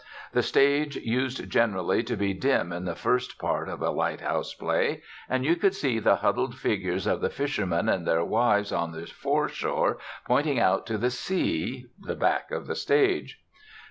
The stage used generally to be dim in the first part of a lighthouse play, and you could see the huddled figures of the fishermen and their wives on the foreshore pointing out to the sea (the back of the stage).